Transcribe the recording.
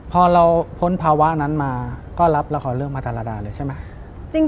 พอเราพ้นภาวะนั้นมาก็รับแล้วของเล่ามาช่วยมาร์ตาใหม่ใช่ไหม